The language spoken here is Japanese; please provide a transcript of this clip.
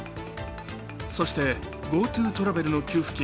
そしてＧｏＴｏトラベルの給付金